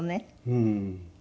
うん。